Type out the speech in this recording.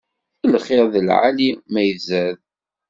Lxiṛ d lɛali-t ma izad.